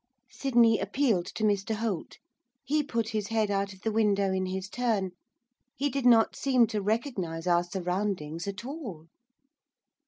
Sydney appealed to Mr Holt. He put his head out of the window in his turn, he did not seem to recognise our surroundings at all.